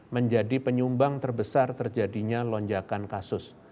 menjadi penyumbang terbesar terjadinya lonjakan kasus